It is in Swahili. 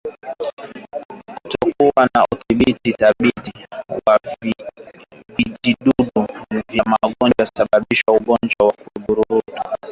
Kutokuwa na udhibiti thabiti wa vijidudu vya magonjwa husababisha ugonjwa wa ukurutu